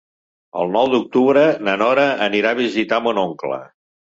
El nou d'octubre na Nora anirà a visitar mon oncle.